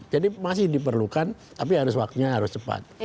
jadi masih diperlukan tapi harus waktunya harus cepat